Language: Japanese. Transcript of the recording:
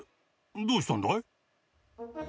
どうしたんだい？